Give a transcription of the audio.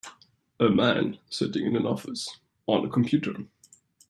A man sitting in an office on a computer.